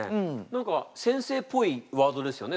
何か先生っぽいワードですよね